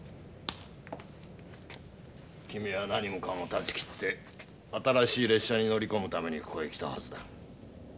君は何もかも断ち切って新しい列車に乗り込むためにここへ来たはずだ。